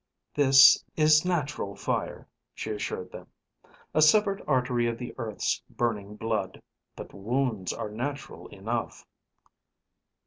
"This is natural fire," she assured them, "a severed artery of the earth's burning blood. But wounds are natural enough."